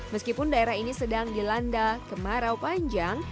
meskipun daerah ini sedang dilanda kemarau panjang